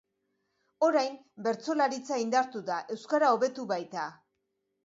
Orain, bertsolaritza indartu da euskara hobetu baita.